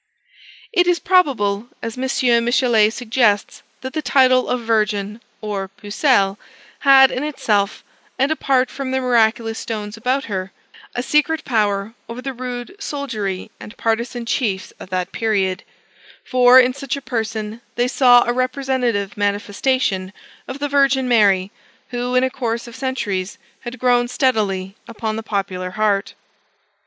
It is probable (as M. Michelet suggests) that the title of Virgin, or Pucelle, had in itself, and apart from the miraculous stones about her, a secret power over the rude soldiery and partisan chiefs of that period; for, in such a person, they saw a representative manifestation of the Virgin Mary, who, in a course of centuries, had grown steadily upon the popular heart.